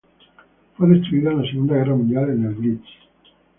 Fue destruida en la Segunda Guerra Mundial, en el Blitz.